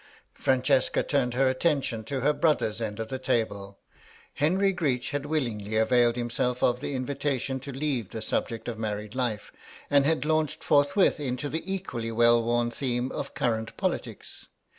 Francesca turned her attention to her brother's end of the table. Henry Greech had willingly availed himself of the invitation to leave the subject of married life, and had launched forthwith into the equally well worn theme of current politics.